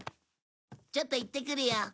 ちょっと行ってくるよ。